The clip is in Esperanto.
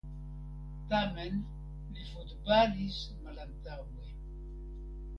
Tamen li futbalis malantaŭe.